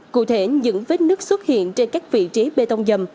cụ thể những vết nước xuất hiện trên các vị trí bê tông dầm